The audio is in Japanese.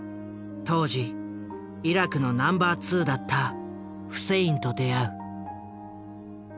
当時イラクのナンバー２だったフセインと出会う。